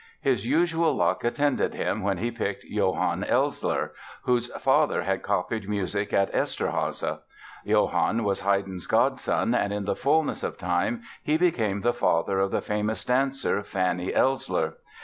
His usual luck attended him when he picked Johann Elssler, whose father had copied music at Eszterháza. Johann was Haydn's godson and in the fullness of time he became the father of the famous dancer, Fanny Elssler.